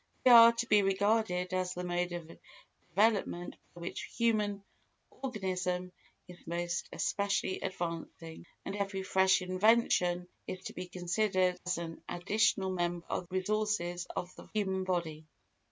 They are to be regarded as the mode of development by which human organism is most especially advancing, and every fresh invention is to be considered as an additional member of the resources of the human body.